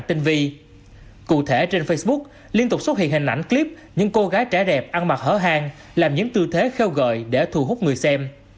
thì hình ảnh clip những cô gái trẻ đẹp ăn mặc hở hàng làm những tư thế kheo gợi để thu hút người xem